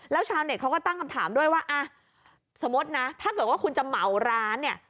แล้วชาวเน็ตเขาก็ตั้งคำถามด้วยว่าอ่ะสมมุตินะถ้าเกิดว่าคุณจะเหมาร้านเนี่ย